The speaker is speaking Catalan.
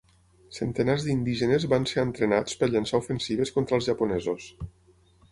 Centenars d'indígenes van ser entrenats per llançar ofensives contra els japonesos.